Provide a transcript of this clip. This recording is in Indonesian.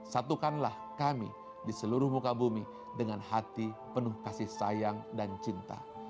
satukanlah kami di seluruh muka bumi dengan hati penuh kasih sayang dan cinta